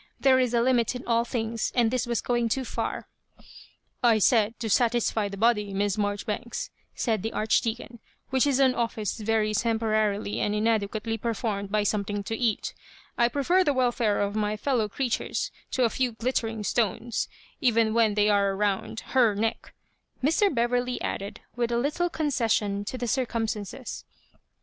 There is a limit in all things, and this was going too far. *'I said, to satisfy the body, Kiss Marjori banks," said the Archdeac(»), " which is an office very temporarily and inadequately performed by something to eat I prefer tiie welikre of my fel low creatures to a few glittering stones — even wh^ they are round Her neck,^' Mr. Beverley addea, with a little concession to the circumstan ces.